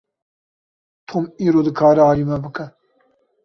Tom îro dikare alî me bike.